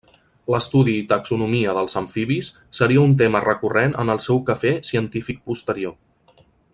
L'estudi i taxonomia dels amfibis seria un tema recurrent en el seu quefer científic posterior.